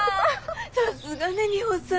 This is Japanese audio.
さすがねミホさん。